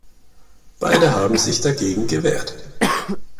Beide haben sich dagegen gewehrt.